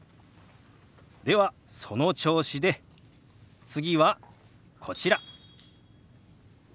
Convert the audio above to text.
ではその調子で次はこちら。